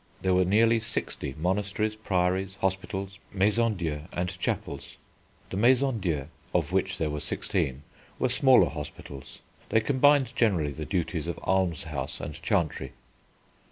There were nearly sixty monasteries, priories, hospitals, maisons dieu, and chapels. The maisons dieu, of which there were sixteen, were smaller hospitals. They combined generally the duties of almshouse and chantry.